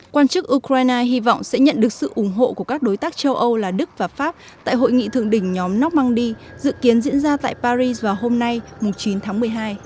quan chức ukraine hy vọng sẽ nhận được sự ủng hộ của các đối tác châu âu là đức và pháp tại hội nghị thượng đỉnh nhóm norm mangdi dự kiến diễn ra tại paris vào hôm nay chín tháng một mươi hai